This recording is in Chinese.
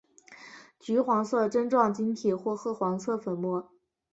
橘红色针状晶体或赭黄色粉末。